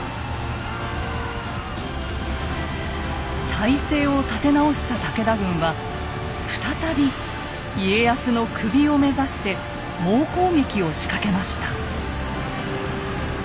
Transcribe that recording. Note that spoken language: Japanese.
態勢を立て直した武田軍は再び家康の首を目指して猛攻撃を仕掛けました。